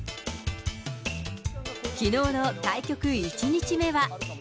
きのうの対局１日目は。